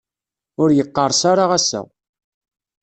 Ur yeqqerṣ ara ass-a.